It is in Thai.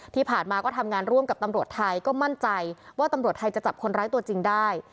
ที่ผ่านมาก็ทำงานร่วมกับตำรวจไทยก็มั่นใจว่าตำรวจไทยจะจับคนร้ายตัวจริงได้